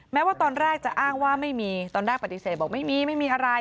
แม้ว่าตอนแรกจะอ้างว่าไม่มีตอนแรกปฏิเสธบอกไม่มีไม่มีอะไร